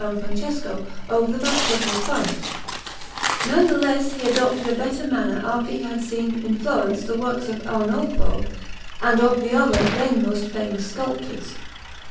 Francesco over the baptismal font, none the less he adopted a better manner after he had seen in Florence the works of Arnolfo and of the other then most famous sculptors.